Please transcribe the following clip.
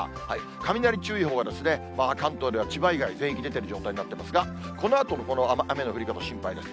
雷注意報が関東では千葉以外、全域出てる状態になっていますが、このあとの雨の降り方、心配です。